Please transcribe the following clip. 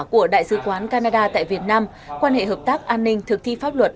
của đại sứ quán canada tại việt nam quan hệ hợp tác an ninh thực thi pháp luật